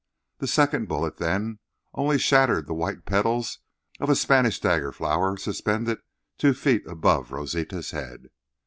The second bullet, then, only shattered the white petals of a Spanish dagger flower suspended two feet above Rosita's head.